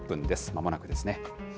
まもなくですね。